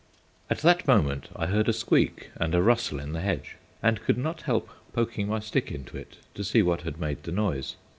At that moment I heard a squeak and a rustle in the hedge, and could not help poking my stick into it to see what had made the noise.